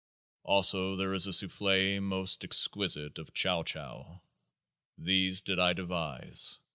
Also there is a souffle most exquisite of Chow Chow. These did I devise.